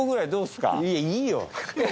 いいよ。